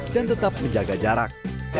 dan tetap menjaga jarak